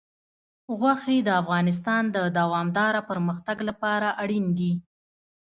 غوښې د افغانستان د دوامداره پرمختګ لپاره اړین دي.